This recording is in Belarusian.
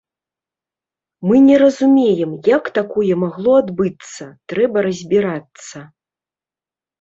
Мы не разумеем, як такое магло адбыцца, трэба разбірацца.